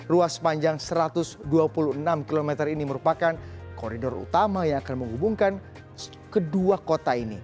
ruas panjang satu ratus dua puluh enam km ini merupakan koridor utama yang akan menghubungkan kedua kota ini